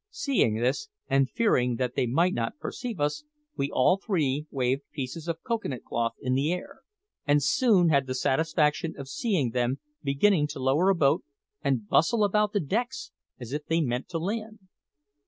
Seeing this, and fearing that they might not perceive us, we all three waved pieces of cocoa nut cloth in the air, and soon had the satisfaction of seeing them beginning to lower a boat and bustle about the decks as if they meant to land.